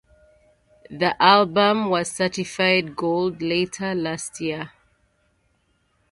The album was certified gold later that year.